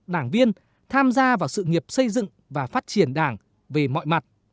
đảng viên tham gia vào sự nghiệp xây dựng và phát triển đảng về mọi mặt